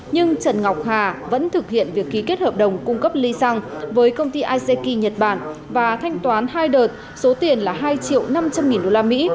nhưng trần ngọc hà vẫn thực hiện việc ký kết hợp đồng cung cấp ly xăng với công ty ici nhật bản và thanh toán hai đợt số tiền là hai triệu năm trăm linh nghìn đô la mỹ